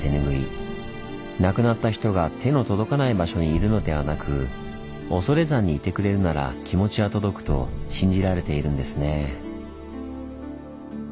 亡くなった人が手の届かない場所にいるのではなく恐山にいてくれるなら気持ちは届くと信じられているんですね。